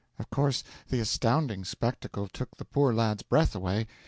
'Of course, the astounding spectacle took the poor lad's breath away.